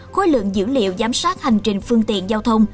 khối lượng dữ liệu giám sát hành trình phương tiện giao thông